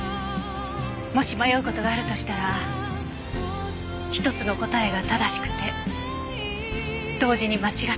もし迷う事があるとしたら一つの答えが正しくて同時に間違っている。